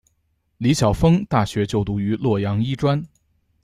李晓峰大学就读于洛阳医专。